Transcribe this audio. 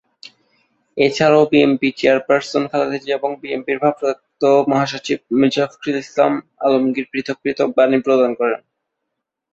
এ ছাড়াও BNP chairperson Khaleda Zia এবং বিএনপির ভারপ্রাপ্ত মহাসচিব মির্জা ফখরুল ইসলাম আলমগীর পৃথক পৃথক বাণী প্রদান করেন।